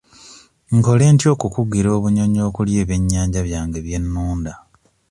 Nkole ntya okukugira obunyonyi okulya ebyennyanja byange bye nnunda?